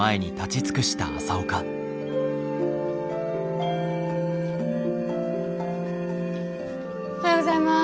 おはようございます。